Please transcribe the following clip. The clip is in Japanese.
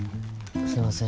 すいません